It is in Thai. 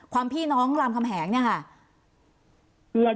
ความพี่น้องรามคำแหงเนี่ยค่ะ